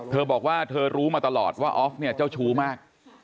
เธอบอกว่าเธอรู้มาตลอดว่าออฟเนี่ยเจ้าชู้มาก